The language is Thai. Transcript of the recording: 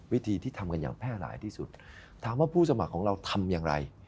วิธีที่ทำกันอย่างแพร่หลายที่สุดถามว่าผู้สมัครของเราทำอย่างไร